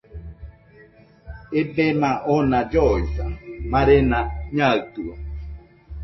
Ebema ona lloisa, marena naɨtɨo.